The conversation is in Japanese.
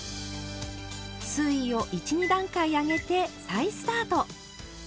水位を１２段階上げて再スタート。